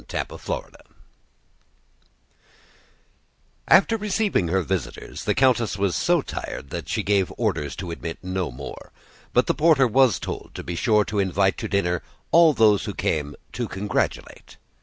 CHAPTER XIV After receiving her visitors, the countess was so tired that she gave orders to admit no more, but the porter was told to be sure to invite to dinner all who came "to congratulate."